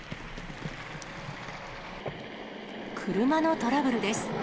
車のトラブルです。